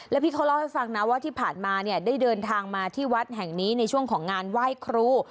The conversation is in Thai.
พี่เขาเล่าให้ฟังนะว่าที่ผ่านมาเนี่ยได้เดินทางมาที่วัดแห่งนี้ในช่วงของงานไหว้ครู